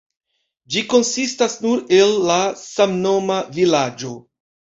Ĝi konsistas nur el la samnoma vilaĝo.